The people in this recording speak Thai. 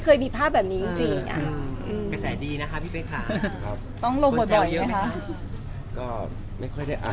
อเรนนี่มีมุมเม้นท์อย่างนี้ได้เห็นอีกไหมคะแล้วแต่สถานการณ์ค่ะแล้วแต่จะมีผู้ใหญ่มาจัดฉากให้หรือเปล่า